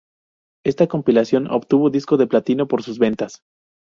Esta compilación obtuvo disco de Platino por sus ventas.